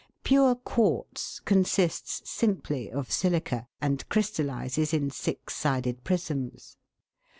Pure quartz consists simply of silica, and crystallises in six sided prisms.